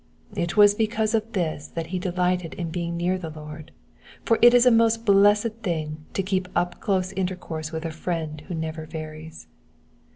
It was because of this that he delighted in being near the Lord, for it is a most blessed thing to keep up close intercourse with a Friend who never varies.